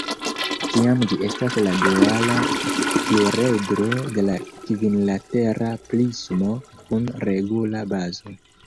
Tiam gi estas la duala pluredro de la kvinlatera prismo kun regula bazo.